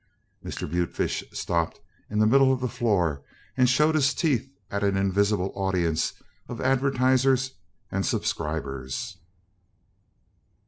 Mr. Butefish stopped in the middle of the floor and showed his teeth at an invisible audience of advertisers and subscribers.